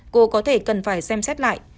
cô có thể cần phải xem xét lại